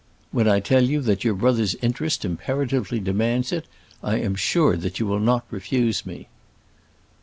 When I tell you that your brother's interest imperatively demands it, I am sure that you will not refuse me."